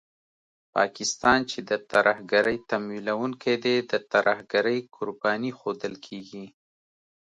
پاکستان چې د ترهګرۍ تمويلوونکی دی، د ترهګرۍ قرباني ښودل کېږي